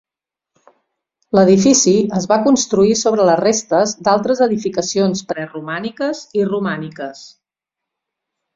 L'edifici es va construir sobre les restes d'altres edificacions preromàniques i romàniques.